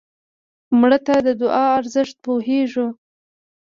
مړه ته د دعا ارزښت پوهېږو